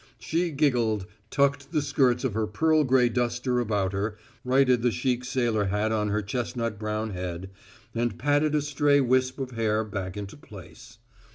She giggled, tucked the skirts of her pearl gray duster about her, righted the chic sailor hat on her chestnut brown head, and patted a stray wisp of hair back into place.